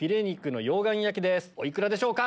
お幾らでしょうか？